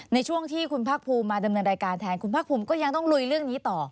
ในช่วงที่คุณภาคภูมิมาดำเนินรายการแทนคุณภาคภูมิก็ยังต้องลุยเรื่องนี้ต่อ